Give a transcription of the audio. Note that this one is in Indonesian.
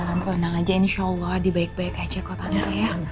alhamdulillah aja insya allah dibaik baik aja kok tante ya